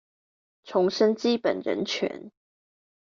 重申基本人權